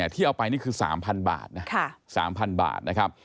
ที่เอาไปนี่คือ๓๐๐๐บาท